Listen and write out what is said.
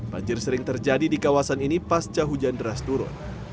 banjir sering terjadi di kawasan ini pasca hujan deras turun